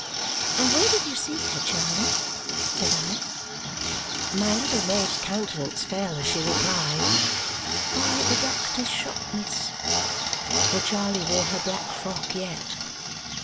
"And where did you see her, Charley?" said I. My little maid's countenance fell as she replied, "By the doctor's shop, miss." For Charley wore her black frock yet.